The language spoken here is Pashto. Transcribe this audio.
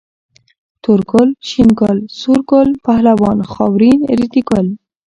تور ګل، شين ګل، سور ګل، پهلوان، خاورين، ريدي ګل